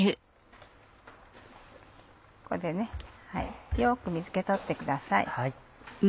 ここでよく水気取ってください。